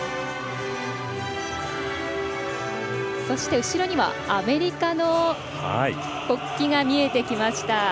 そして、後ろにはアメリカの国旗が見えてきました。